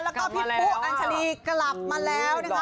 แล้วก็พี่ปุ๊อัญชาลีกลับมาแล้วนะคะ